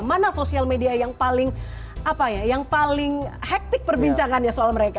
mana sosial media yang paling hektik perbincangannya soal mereka